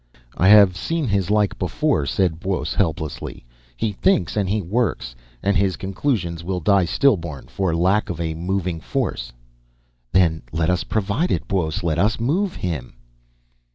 "I have seen his like before," said Buos hopelessly. "He thinks and he works, and his conclusions will die stillborn, for lack of a moving force ..." "Then let us provide it, Buos. Let us move him!"